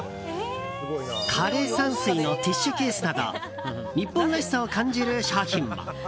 枯山水のティッシュケースなど日本らしさを感じる商品も。